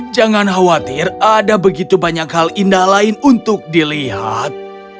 jangan khawatir ada begitu banyak hal indah lain untuk dilihat